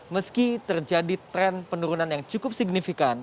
meski terjadi tren penurunan yang cukup signifikan